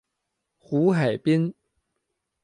胡海滨。